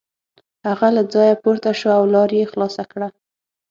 هغه له ځایه پورته شو او لار یې خلاصه کړه.